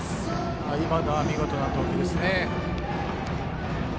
今のは見事な投球ですね。